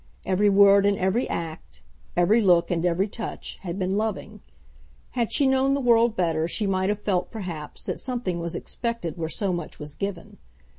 Every word and every act, every look and every touch, had been loving. Had she known the world better she might have felt, perhaps, that something was expected where so much was given.